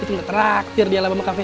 tentu gitu gak traktir di alam ama kafe